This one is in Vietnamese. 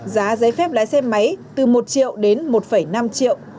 giá giấy phép lái xe máy từ một triệu đến một năm triệu